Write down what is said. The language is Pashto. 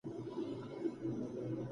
ژوند په تېرېدو دی.